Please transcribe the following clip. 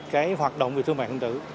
cái hoạt động về thương mại điện tử